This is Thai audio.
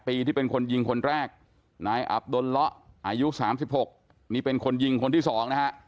เป็นยิงคนแรกนายอับดนละอายุ๓๖นี่เป็นคนยิงคนที่๒นะครับ